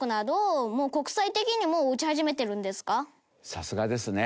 さすがですね。